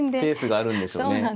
ペースがあるんでしょうね。